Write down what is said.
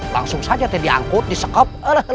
langsung saja diangkut disekop